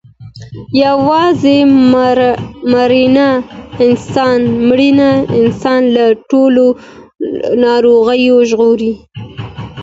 یوازې مړینه انسان له ټولو ناروغیو ژغوري.